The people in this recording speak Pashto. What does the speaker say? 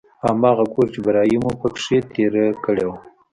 هماغه کور چې برايي به مو په کښې تېره کړې وه.